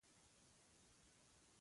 له غوسې یې مخ تک سور واوښت.